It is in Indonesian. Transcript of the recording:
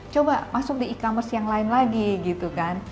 coba masuk di e commerce yang lain lagi gitu kan